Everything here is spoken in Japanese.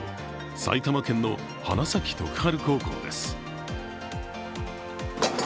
埼玉県の花咲徳栄高校です。